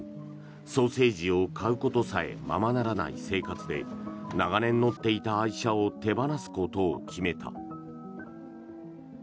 ソーセージを買うことさえままならない生活で長年乗っていた愛車を手放すことを決めた。